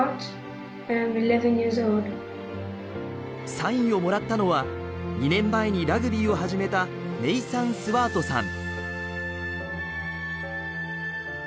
サインをもらったのは２年前にラグビーを始めたネイサン・スワートさん。